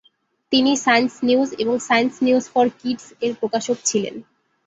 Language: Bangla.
তিনি "সায়েন্স নিউজ" এবং "সাইন্স নিউজ ফর কিডস"-এর প্রকাশক ছিলেন।